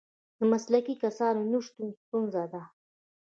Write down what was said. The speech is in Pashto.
د مسلکي کسانو نشتون ستونزه ده.